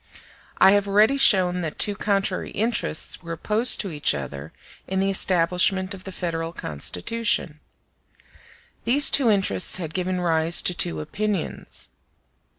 I have already shown that two contrary interests were opposed to each other in the establishment of the Federal Constitution. These two interests had given rise to two opinions.